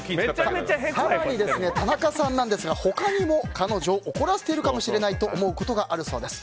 更に、田中さんなんですが他にも彼女を怒らせているかもしれないと思うことがあるようです。